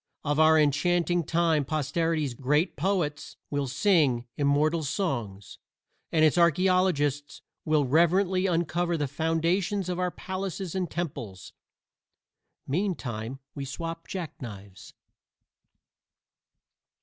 Of our enchanting time Posterity's great poets will sing immortal songs, and its archaeologists will reverently uncover the foundations of our palaces and temples. Meantime we swap jack knives.